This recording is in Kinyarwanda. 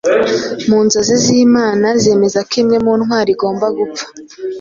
Mu nzozi z imana zemeza ko imwe mu ntwari igomba gupfa